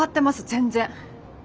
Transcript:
全然。